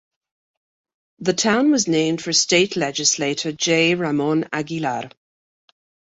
The town was named for state legislator J. Ramon Aguilar.